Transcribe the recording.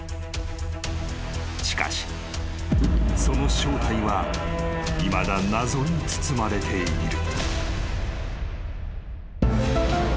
［しかしその正体はいまだ謎に包まれている］